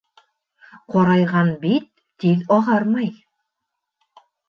Ҡарайған бит тиҙ ағармай.